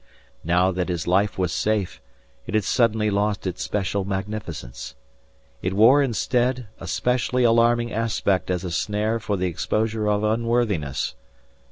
Now that his life was safe it had suddenly lost it special magnificence. It wore instead a specially alarming aspect as a snare for the exposure of unworthiness.